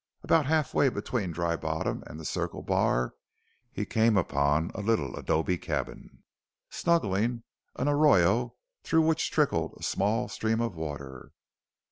About half way between Dry Bottom and the Circle Bar he came upon a little adobe cabin snuggling an arroyo through which trickled a small stream of water.